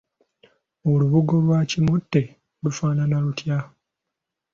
Olubugo lwa kimote lufaanana lutya?